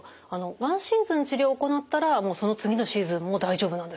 ワンシーズン治療を行ったらもうその次のシーズンも大丈夫なんですか？